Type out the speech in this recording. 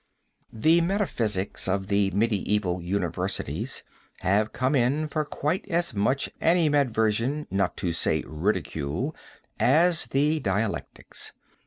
] The metaphysics of the medieval universities have come in for quite as much animadversion, not to say ridicule, as the dialectics.